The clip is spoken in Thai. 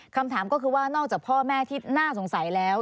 คำถามก็คือว่านอกจากพ่อแม่ที่น่าสงสัยแล้ว